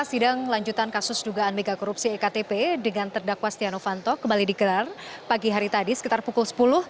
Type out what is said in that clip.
sidang lanjutan kasus dugaan megakorupsi ektp dengan terdakwa stiano fanto kembali digelar pagi hari tadi sekitar pukul sepuluh